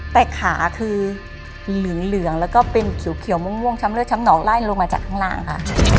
แต่ขาคือเหลืองแล้วก็เป็นเขียวม่วงช้ำเลือดช้ำหนองไล่ลงมาจากข้างล่างค่ะ